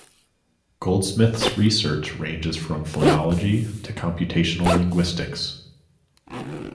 Goldsmith's research ranges from phonology to computational linguistics.